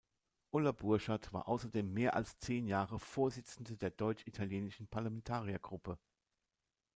Ulla Burchardt war außerdem mehr als zehn Jahre Vorsitzende der deutsch-italienischen Parlamentariergruppe.